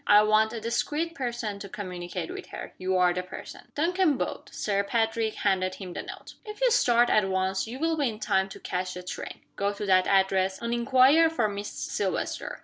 I want a discreet person to communicate with her. You are the person." Duncan bowed. Sir Pa trick handed him the note. "If you start at once you will be in time to catch the train. Go to that address, and inquire for Miss Silvester.